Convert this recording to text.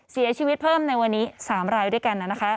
เสียชีวิตเพิ่มในวันนี้๓รายด้วยกัน